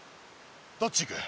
どっち行く？